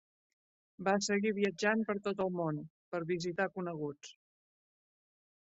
Va seguir viatjant per tot el món, per visitar coneguts.